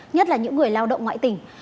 nhất là những người lao động ngoại tỉnh